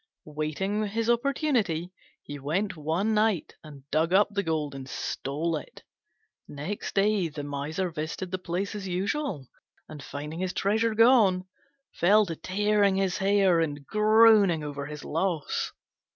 Waiting his opportunity, he went one night and dug up the gold and stole it. Next day the Miser visited the place as usual, and, finding his treasure gone, fell to tearing his hair and groaning over his loss.